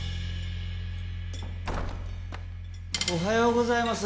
おはようございます。